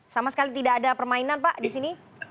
sama sekali tidak ada permainan pak di sini